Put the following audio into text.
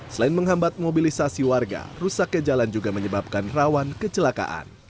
selain menghambat mobilisasi warga rusaknya jalan juga menyebabkan rawan kecelakaan